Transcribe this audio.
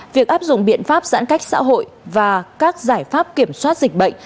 việc áp dụng biện pháp giãn cách xã hội và các giải pháp kiểm soát dịch bệnh